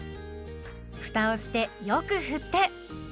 ふたをしてよく振って。